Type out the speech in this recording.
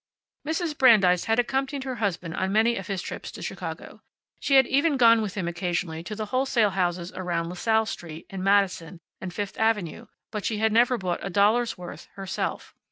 Mrs. Brandeis had accompanied her husband on many of his trips to Chicago. She had even gone with him occasionally to the wholesale houses around La Salle Street, and Madison, and Fifth Avenue, but she had never bought a dollar's worth herself.